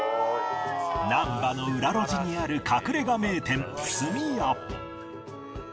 難波の裏路地にある隠れ家名店墨や